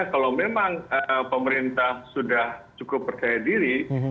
kalau memang pemerintah sudah cukup percaya diri